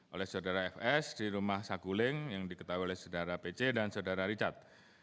oleh saudara fs di rumah saguling yang diketahui oleh saudara pc dan saudara richard